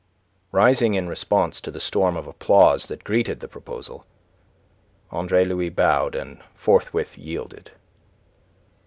Rising in response to the storm of applause that greeted the proposal, Andre Louis bowed and forthwith yielded.